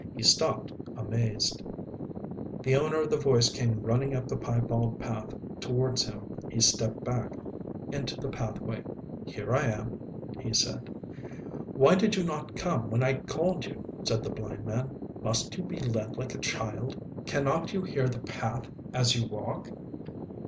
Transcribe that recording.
He stopped, amazed. The owner of the voice came running up the piebald path towards him. He stepped back into the pathway. "Here I am," he said. "Why did you not come when I called you?" said the blind man. "Must you be led like a child? Cannot you hear the path as you walk?"